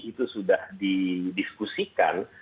itu sudah didiskusikan